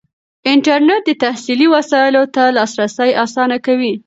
انټرنیټ د تحصیلي وسایلو ته لاسرسی اسانه کوي.